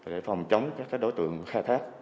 để phòng chống các đối tượng khai thác